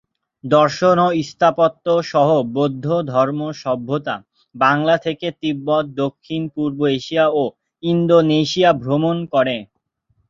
দর্শন ও স্থাপত্য সহ বৌদ্ধধর্ম সভ্যতা বাংলা থেকে তিব্বত, দক্ষিণ -পূর্ব এশিয়া ও ইন্দোনেশিয়া ভ্রমণ করে।